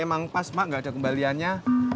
ini emang pas mak gak ada kembaliannya